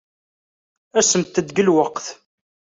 Asemt-d deg lweqt.